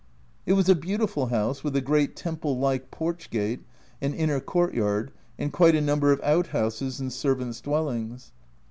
It was a beautiful house, with a great temple like porch gate, an inner courtyard, and quite a number of out houses and servants' dwellings.